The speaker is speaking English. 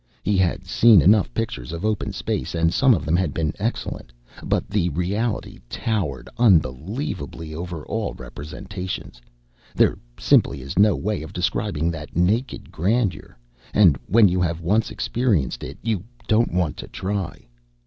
He had seen enough pictures of open space, and some of them had been excellent. But the reality towered unbelievably over all representations. There simply is no way of describing that naked grandeur, and when you have once experienced it you don't want to try.